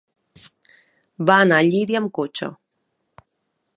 Va anar a Llíria amb cotxe.